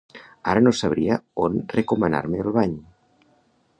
Ara no sabria on recomanar-me el bany.